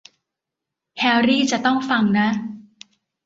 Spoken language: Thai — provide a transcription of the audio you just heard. แฮร์รี่จะต้องฟังนะ